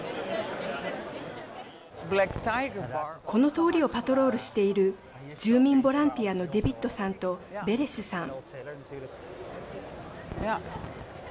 この通りをパトロールしている住民ボランティアのデビットさんとベレスさん。